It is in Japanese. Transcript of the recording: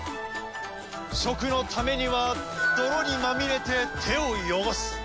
食のためには泥にまみれて手を汚す。